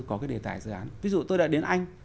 có cái đề tài dự án ví dụ tôi đã đến anh